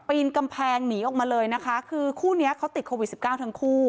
ปีนกำแพงหนีออกมาเลยนะคะคือคู่นี้เขาติดโควิดสิบเก้าทั้งคู่